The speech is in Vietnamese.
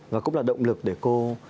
và cũng là động lực để cô